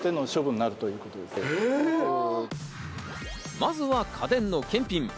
まずは家電の検品。